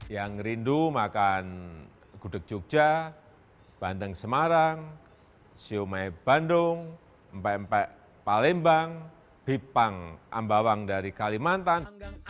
yang rindu makan gudeg jogja bandeng semarang siumai bandung mpe mpek palembang bipang ambawang dari kalimantan